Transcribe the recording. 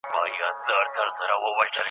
لکه شمع یم په ورځ کي د لمر مخي ته بلېږم .